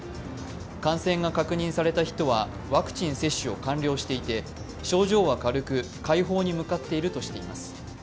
感染が確認された人はワクチン接種を完了していて症状は軽く、快方に向かっているとしています。